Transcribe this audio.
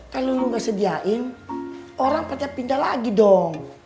kalau lu gak sediain orang pada pindah lagi dong